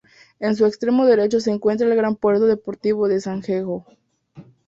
En su extremo derecho se encuentra el gran puerto deportivo de Sangenjo.